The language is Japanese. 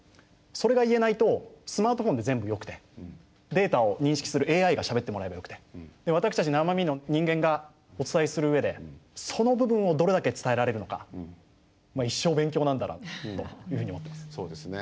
それが言えないとスマートフォンで全部よくてデータを認識するＡＩがしゃべってもらえばよくてで私たち生身の人間がお伝えする上でその部分をどれだけ伝えられるのかまあ一生勉強なんだなというふうに思ってます。